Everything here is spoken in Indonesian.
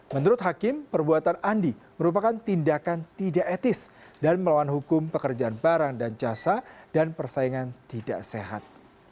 menurut hakim perbuatan andi merupakan tindakan tidak etis dan melawan hukum pekerjaan barang dan jasa dan persaingan tidak sehat